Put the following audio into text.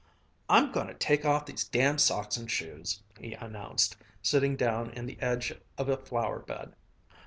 "I'm going to take off these damn socks and shoes," he announced, sitting down in the edge of a flower bed.